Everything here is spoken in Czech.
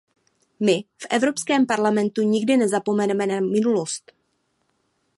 My v Evropském parlamentu nikdy nezapomeneme na minulost.